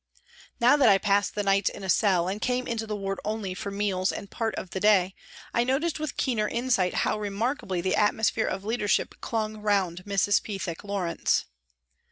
Now that I passed the nights in a cell and came into the ward only for meals and part of the day, I noticed with keener insight how remarkably the atmosphere of leader ship clung round Mrs. Pethick Lawrence.